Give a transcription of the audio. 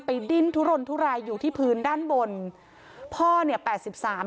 ดิ้นทุรนทุรายอยู่ที่พื้นด้านบนพ่อเนี่ยแปดสิบสาม